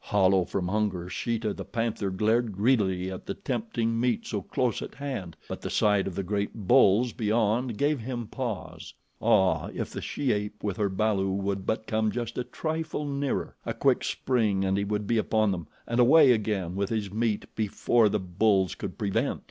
Hollow from hunger, Sheeta, the panther, glared greedily at the tempting meat so close at hand, but the sight of the great bulls beyond gave him pause. Ah, if the she ape with her balu would but come just a trifle nearer! A quick spring and he would be upon them and away again with his meat before the bulls could prevent.